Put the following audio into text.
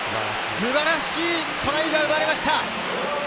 素晴らしいトライが生まれました。